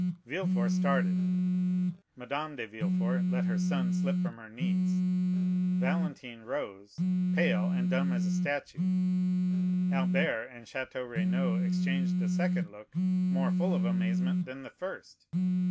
Villefort started, Madame de Villefort let her son slip from her knees, Valentine rose, pale and dumb as a statue. Albert and Château Renaud exchanged a second look, more full of amazement than the first.